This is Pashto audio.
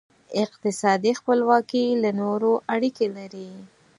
اقتصادي خپلواکي له نورو اړیکې لري.